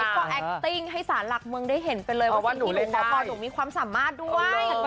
เห็นรูนะคะโอน้อยก็แอคติ้งให้สารหลักเมืองได้เห็นไปเลยว่าสิ่งที่พ่อพ่อหนูมีความสำมารถด้วย